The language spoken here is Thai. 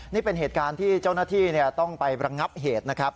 นี่เป็นเหตุการณ์ที่เจ้าหน้าที่ต้องไประงับเหตุนะครับ